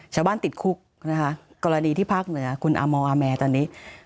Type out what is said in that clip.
ชาวบ้านติดคุกนะคะกรณีที่ภาคเหนือคุณอมอแมตอนนี้